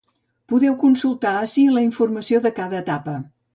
Podeu consultar ací la informació de cada etapa.